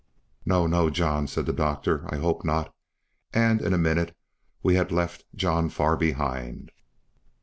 "No, no, John," said the doctor, "I hope not," and in a minute we had left John far behind.